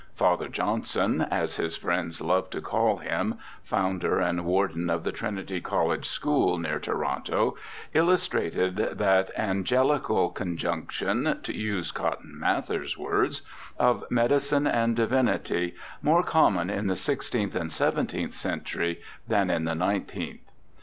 Father Johnson, as his friends loved to call him, founder and Warden of the Trinity College School, near Toronto, illustrated that angelical conjunction (to use Cotton Mather's words) of medicine and divinity more common in the sixteenth and seventeenth centuries than in the nineteenth.